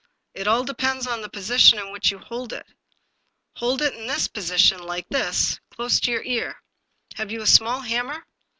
It all depends on the position in which you hold it. Hold it in this position — like this — close to your ear. Have you a small hammer